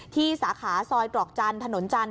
สาขาซอยตรอกจันทร์ถนนจันท